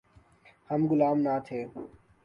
ہم غلام نہ تھے۔